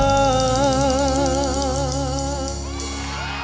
ขอบคุณครับ